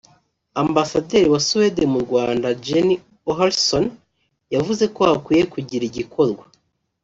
Ambasaderi wa Suede mu Rwanda Jenny Ohlsson yavuze ko hakwiye kugira igikorwa